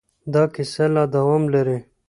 دا کیسه لا دوام لري.